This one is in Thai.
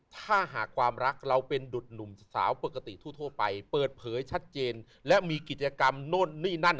ถ้าหากความรักเราเป็นดุดหนุ่มสาวปกติทั่วไปเปิดเผยชัดเจนและมีกิจกรรมโน่นนี่นั่น